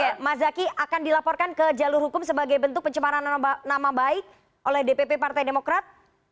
oke mas zaky akan dilaporkan ke jalur hukum sebagai bentuk pencemaran nama baik oleh dpp partai demokrat